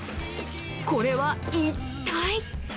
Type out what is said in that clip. これは一体。